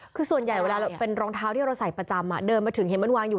คือส่วนใหญ่เวลาเป็นรองเท้าที่เราใส่ประจำเดินมาถึงเห็นมันวางอยู่